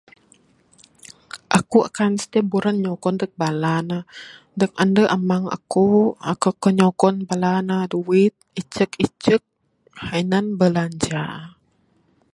Aku akan setiap buran nyugon neg bala ne. Neg ande amang aku. Aku akan nyugon bala ne duit icek icek inan belanja.